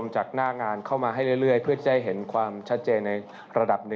จากหน้างานเข้ามาให้เรื่อยเพื่อจะได้เห็นความชัดเจนในระดับ๑